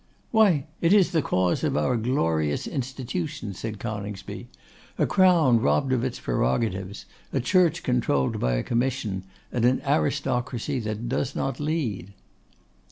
'Why, it is the cause of our glorious institutions,' said Coningsby. 'A Crown robbed of its prerogatives; a Church controlled by a commission; and an Aristocracy that does not lead.